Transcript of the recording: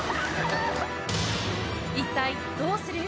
一体どうする？